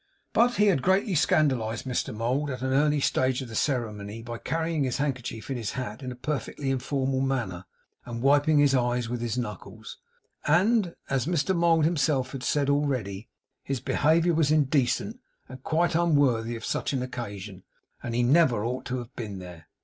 But he had greatly scandalized Mr Mould at an early stage of the ceremony by carrying his handkerchief in his hat in a perfectly informal manner, and wiping his eyes with his knuckles. And as Mr Mould himself had said already, his behaviour was indecent, and quite unworthy of such an occasion; and he never ought to have been there.